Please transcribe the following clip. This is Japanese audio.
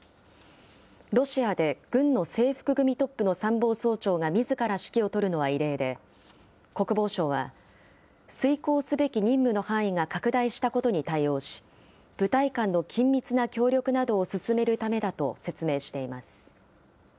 ロシアで軍の制服組トップの参謀総長がみずから指揮を執るのは異例で、国防省は、遂行すべき任務の範囲が拡大したことに対応し、部隊間の緊密な協力などを進めるためだと説明しています。